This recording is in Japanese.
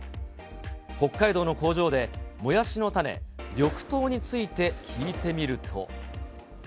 北海道の工場でもやしの種、緑豆について聞いてみると。